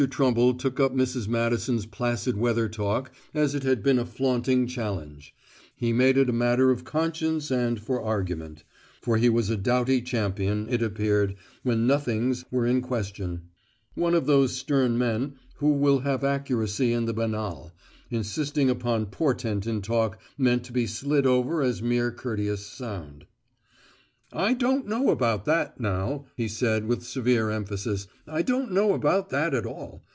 Trumble took up Mrs. Madison's placid weather talk as if it had been a flaunting challenge; he made it a matter of conscience and for argument; for he was a doughty champion, it appeared, when nothings were in question, one of those stern men who will have accuracy in the banal, insisting upon portent in talk meant to be slid over as mere courteous sound. "I don't know about that, now," he said with severe emphasis. "I don't know about that at all.